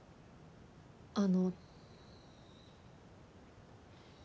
あの。